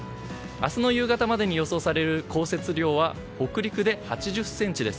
明日の夕方までに予想される降雪量は北陸で８０ｃｍです。